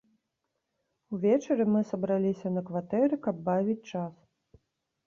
Увечары мы сабраліся на кватэры, каб бавіць час.